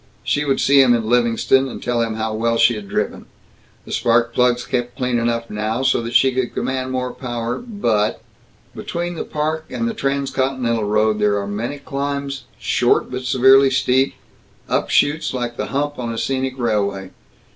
She would see him in Livingston, and tell him how well she had driven. The spark plugs kept clean enough now so that she could command more power, but Between the Park and the transcontinental road there are many climbs short but severely steep; up shoots like the humps on a scenic railway.